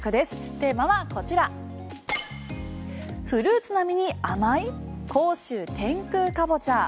テーマはこちらフルーツ並みに甘い甲州天空かぼちゃ